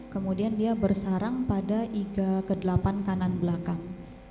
kemudian dia bersarang pada iga ke delapan kanan belakang